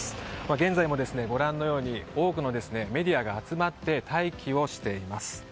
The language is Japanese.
現在もご覧のように多くのメディアが集まって待機をしています。